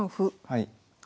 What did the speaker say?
はい。